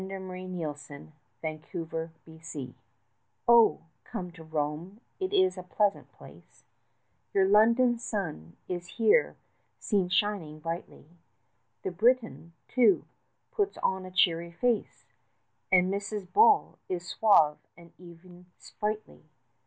AN INVITATION TO ROME Oh, come to Rome, it is a pleasant place, Your London sun is here seen shining brightly; The Briton, too, puts on a cheery face, And Mrs. Bull is suave and even sprightly.